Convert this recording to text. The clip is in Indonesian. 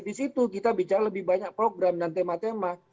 di situ kita bicara lebih banyak program dan tema tema